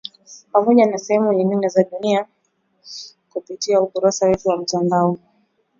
Pamoja na sehemu nyingine za dunia kupitia ukurasa wetu wa mtandao